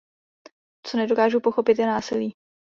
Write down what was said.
Co nedokážu pochopit, je násilí.